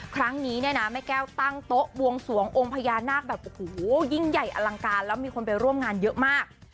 ครั้งนี้เนี่ยนะแม่แก้วตั้งโต๊ะบวงสวงองค์พญานาคแบบโอ้โหยิ่งใหญ่อลังการแล้วมีคนไปร่วมงานเยอะมาก